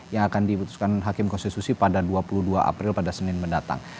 yang akan diputuskan hakim konstitusi pada dua puluh dua april pada senin mendatang